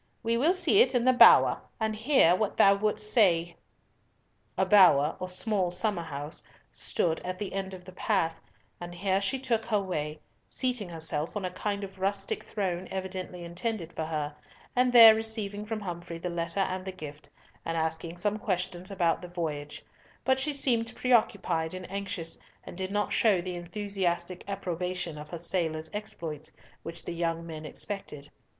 "We will see it in the bower, and hear what thou wouldst say." A bower, or small summer house, stood at the end of the path, and here she took her way, seating herself on a kind of rustic throne evidently intended for her, and there receiving from Humfrey the letter and the gift, and asking some questions about the voyage; but she seemed preoccupied and anxious, and did not show the enthusiastic approbation of her sailors' exploits which the young men expected.